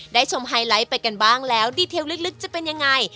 ชมไฮไลท์ไปกันบ้างแล้วดีเทลลึกจะเป็นยังไง